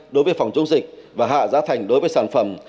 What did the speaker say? đối với phòng chống dịch và hạ giá thành đối với sản phẩm